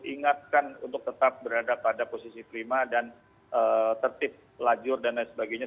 ingatkan untuk tetap berada pada posisi prima dan tertib lajur dan lain sebagainya